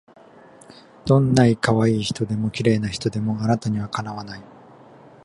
どんない可愛い人でも綺麗な人でもあなたには敵わない